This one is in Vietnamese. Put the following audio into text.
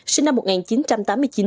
sinh năm một nghìn chín trăm tám mươi chín